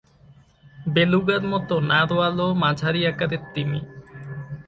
বেলুগার মতো নারওয়ালও মাঝারি আকারের তিমি।